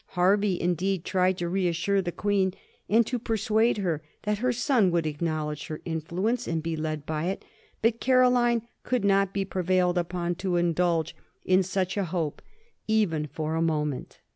Hervey, indeed, tried to reassure the Queen, and to persuade her that her son would acknowl edge her influence and be led by it; but Caroling could not be prevailed upon to indulge in such a hope even for 1737. THE PRINCE OF WALES. 7X a moment.